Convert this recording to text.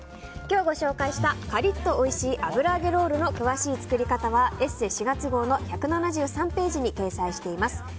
今日ご紹介したカリッとおいしい油揚げロールの詳しい作り方は「ＥＳＳＥ」４月号の１７３ページに掲載しています。